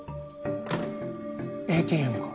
ＡＴＭか？